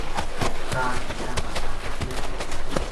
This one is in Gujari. کاہڈ میرا بدلہ ما ایک بیٹکی کری